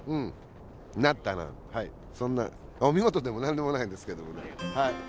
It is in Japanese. そんなお見事でも何でもないんですけどもねはい。